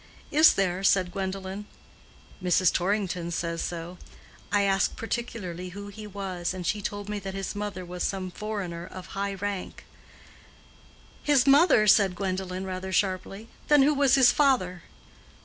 "Is there?" said Gwendolen. "Mrs. Torrington says so. I asked particularly who he was, and she told me that his mother was some foreigner of high rank." "His mother?" said Gwendolen, rather sharply. "Then who was his father?"